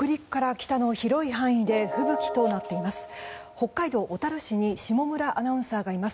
北海道小樽市に下村アナウンサーがいます。